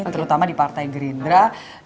terutama di partai gerindra